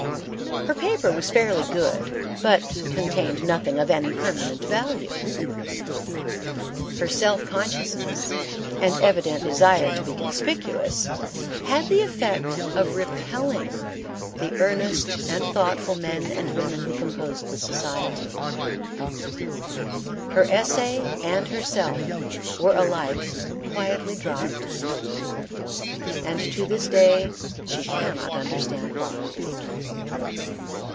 Her paper was fairly good, but contained nothing of any permanent value. Her self consciousness and evident desire to be conspicuous had the effect of repelling the earnest and thoughtful men and women who composed the society. Her essay and herself were alike quietly dropped; and to this day she cannot understand why.